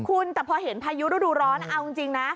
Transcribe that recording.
คุณแต่พอเห็นพายุฤดูร้อนเอาจริงนะ